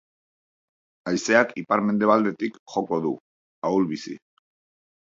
Haizeak ipar-mendebaldetik joko du, ahul-bizi.